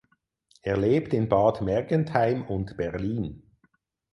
Er lebt in Bad Mergentheim und Berlin.